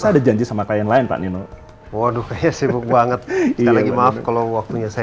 saya ada janji sama klien lain pak nino waduh kayaknya sibuk banget kita lagi maaf kalau waktunya saya